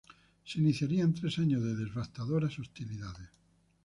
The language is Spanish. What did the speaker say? Se iniciarían tres años de devastadoras hostilidades.